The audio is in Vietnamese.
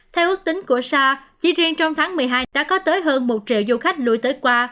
theo ước tính của sa chỉ riêng trong tháng một mươi hai đã có tới hơn một triệu du khách lùi tới qua